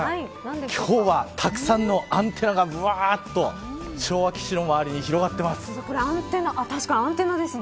今日はたくさんのアンテナがぶわっと昭和基地の周りに確かにアンテナですね。